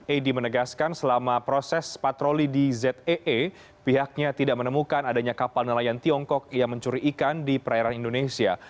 edy menegaskan selama proses patroli di zee pihaknya tidak menemukan adanya kapal nelayan tiongkok yang mencuri ikan di perairan indonesia